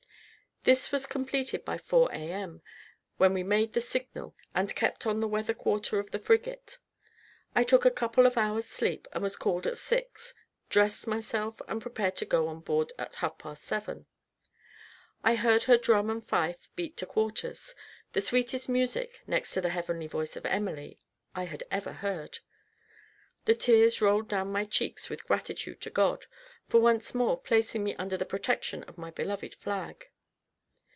This was completed by four A.M., when we made the signal, and kept on the weather quarter of the frigate. I took a couple of hours' sleep, was called at six, dressed myself, and prepared to go on board at half past seven. I heard her drum and fife beat to quarters, the sweetest music next to the heavenly voice of Emily, I had ever heard. The tears rolled down my cheeks with gratitude to God, for once more placing me under the protection of my beloved flag.